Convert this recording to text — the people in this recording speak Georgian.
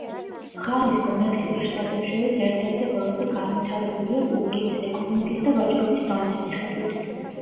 ხალისკო მექსიკის შტატებს შორის ერთ-ერთი ყველაზე განვითარებულია კულტურის, ეკონომიკის და ვაჭრობის დონის მიხედვით.